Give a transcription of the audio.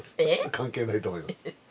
関係ないと思います。